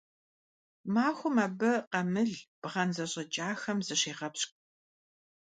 Махуэм абы къамыл, бгъэн зэщӀэкӀахэм зыщегъэпщкӀу.